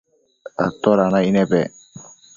atoda naic nepec